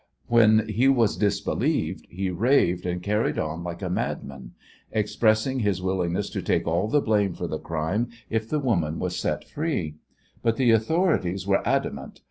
When he was disbelieved he raved and carried on like a madman, expressing his willingness to take all the blame for the crime if the woman was set free; but the authorities were adamant.